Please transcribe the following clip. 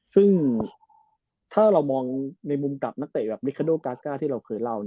ซึ่งถ้าเรามองในมุมกับนักเตะแบบเมคาโดกาก้าที่เราเคยเล่า